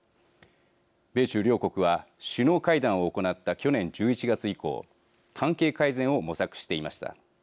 米中両国は首脳会談を行った去年１１月以降関係改善を模索していました。